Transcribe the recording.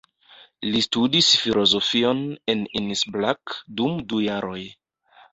Li studis filozofion en Innsbruck dum du jaroj.